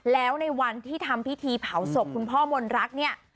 แล้วในวันที่ทำพิธีเผาศพคุณพ่อมนรักเนี่ย